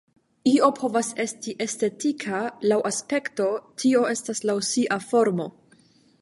Io povas esti estetika laŭ aspekto, tio estas laŭ sia formo.